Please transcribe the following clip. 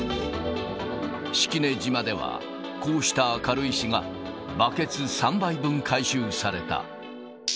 式根島では、こうした軽石がバケツ３杯分、回収された。